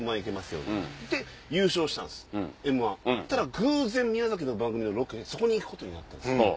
偶然宮崎の番組のロケでそこに行くことになったんです。